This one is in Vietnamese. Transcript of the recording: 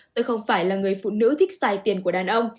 tôi không phải là người phụ nữ thích xài tiền của đàn ông